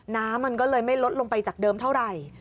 น้ำมันก็เลยไม่ลดลงไปจากเดิมเท่าไหร่